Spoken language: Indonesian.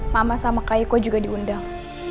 mama sama kaiko juga diundang